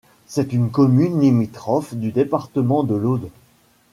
C'est une commune limitrophe du département de l'Aude.